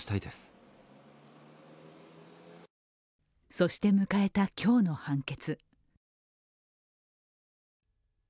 そして迎えた、今日の判決。